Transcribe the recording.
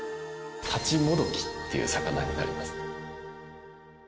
タチモドキっていう魚になります。